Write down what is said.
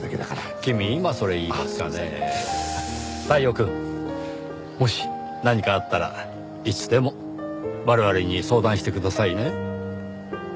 太陽くんもし何かあったらいつでも我々に相談してくださいね。